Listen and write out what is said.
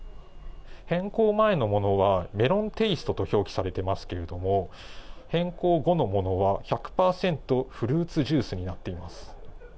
変更前のものはメロンテイストと表記されていますが変更後のものは１００％フルーツジュースになっています。